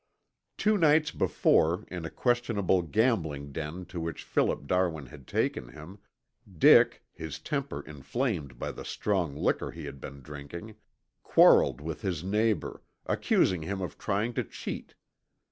Two nights before in a questionable gambling den to which Philip Darwin had taken him, Dick, his temper inflamed by the strong liquor he had been drinking, quarreled with his neighbor, accusing him of trying to cheat.